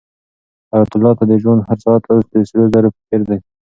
حیات الله ته د ژوند هر ساعت اوس د سرو زرو په څېر دی.